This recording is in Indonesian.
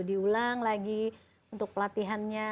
diulang lagi untuk pelatihannya